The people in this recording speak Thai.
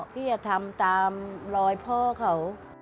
พี่จะทำตามรอยพ่อเขา